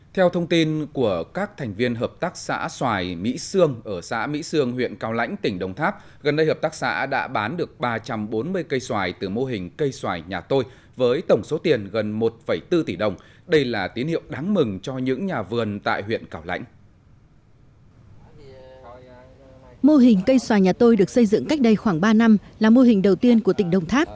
theo thông tin của các thành viên hợp tác xã xoài mỹ sương ở xã mỹ sương huyện cào lãnh tỉnh đồng tháp gần đây hợp tác xã đã bán được ba trăm bốn mươi cây xoài từ mô hình cây xoài nhà tôi với tổng số tiền gần một bốn tỷ đồng đây là tiến hiệu đáng mừng cho những nhà vườn tại huyện cào lãnh